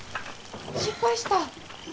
失敗した？